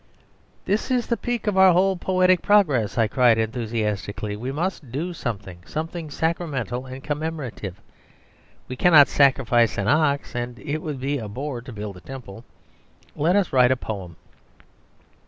"This is the peak of our whole poetic progress!" I cried enthusiastically. "We must do something, something sacramental and commemorative! We cannot sacrifice an ox, and it would be a bore to build a temple. Let us write a poem."